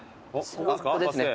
ここですね。